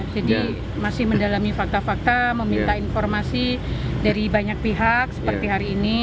jadi masih mendalami fakta fakta meminta informasi dari banyak pihak seperti hari ini